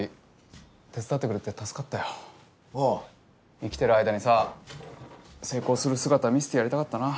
生きてる間にさ成功する姿を見せてやりたかったな。